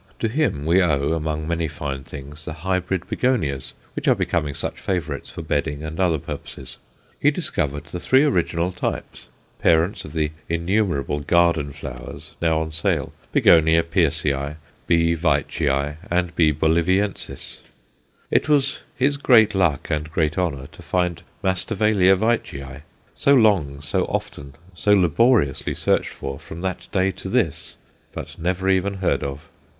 To him we owe, among many fine things, the hybrid Begonias which are becoming such favourites for bedding and other purposes. He discovered the three original types, parents of the innumerable "garden flowers" now on sale Begonia Pearcii, B. Veitchii, and B. Boliviensis. It was his great luck, and great honour, to find Masdevallia Veitchii so long, so often, so laboriously searched for from that day to this, but never even heard of.